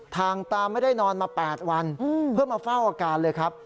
ตาไม่ได้นอนมา๘วันเพื่อมาเฝ้าอาการเลยครับ